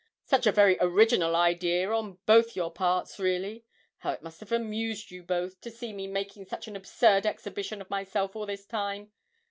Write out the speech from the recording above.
Such a very original idea on both your parts, really. How it must have amused you both to see me making such an absurd exhibition of myself all this time.